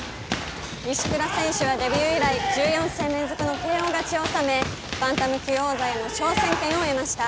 石倉選手はデビュー以来１４戦連続のＫＯ勝ちを収めバンタム級王座への挑戦権を得ました。